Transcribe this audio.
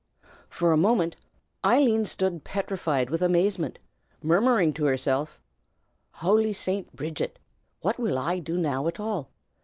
For a moment Eileen stood petrified with amazement, murmuring to herself, "Howly Saint Bridget! what will I do now at all?